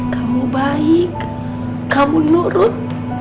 kamu baik kamu nurut